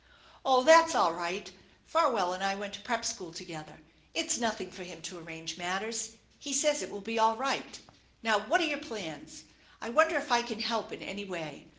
" Oh, that's all right. Farwell and I went to prep school together. It's nothing for him to arrange matters. He says it will be all right. Now, what are your plans ? I wonder if I can help in any way.